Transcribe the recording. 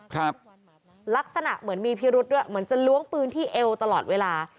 ครับลักษณะเหมือนมีพิรุษด้วยเหมือนจะล้วงปืนที่เอวตลอดเวลา